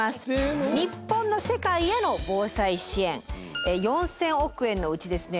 日本の世界への防災支援４，０００億円のうちですね